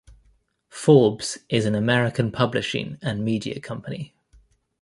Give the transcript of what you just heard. Forbes is an American publishing and media company.